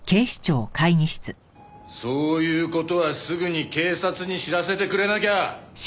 そういう事はすぐに警察に知らせてくれなきゃ！